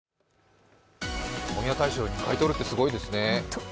本屋大賞２回取るってすごいですね。